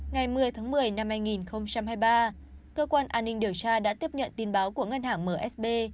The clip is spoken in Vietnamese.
ngày một mươi tháng một mươi năm hai nghìn hai mươi ba cơ quan an ninh điều tra đã tiếp nhận tin báo của ngân hàng msb